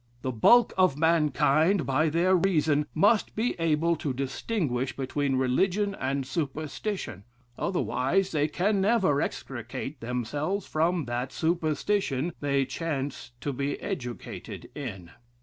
"The bulk of mankind, by their reason, must be able to distinguish between religion and superstition; otherwise they can never extricate themselves from that superstition they chance to be educated in."